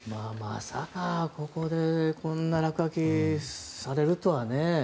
まさかここでこんな落書きされるとはね。